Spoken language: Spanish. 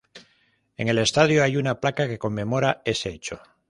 En el estadio hay una placa que conmemora ese hecho.